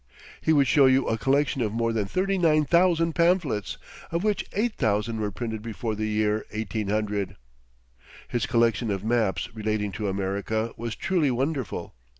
He would show you a collection of more than thirty nine thousand pamphlets, of which eight thousand were printed before the year 1800. His collection of maps relating to America was truly wonderful.